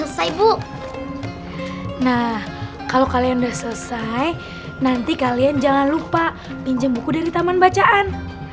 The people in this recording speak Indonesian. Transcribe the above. nah kalau kalian udah selesai nanti kalian jangan lupa pinjam buku dari taman bacaan